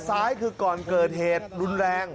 ซ้ายคือก่อนเกิดเหตุรุนแรง